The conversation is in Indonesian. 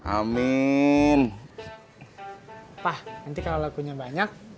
amin nanti kalau punya banyak